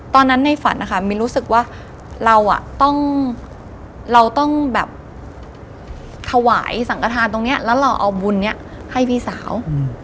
ตอนนั้นในฝันนะคะมินรู้สึกว่าเราต้องเราต้องแบบถวายสังกระทานตรงนี้แล้วเราเอาบุญนี้ให้พี่สาว